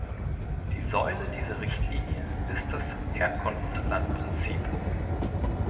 Die Säule dieser Richtlinie ist das Herkunftslandprinzip.